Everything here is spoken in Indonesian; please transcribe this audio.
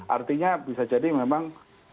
artinya bisa jadi memang